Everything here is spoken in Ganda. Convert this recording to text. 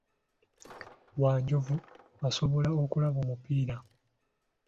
Wanjovu asobola okulaba omupiira.